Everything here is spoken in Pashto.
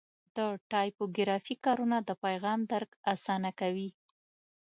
د ټایپوګرافي کارونه د پیغام درک اسانه کوي.